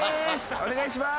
お願いします。